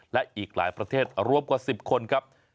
และอีกหลายประเทศรวมกว่า๑๐คนครับ